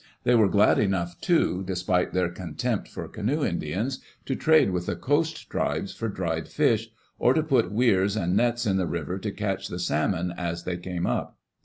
They were glad enough, too, despite their contempt for canoe Indians, to trade with the coast tribes for dried fish, or to put weirs and nets in the river to catch the salmon as they came up.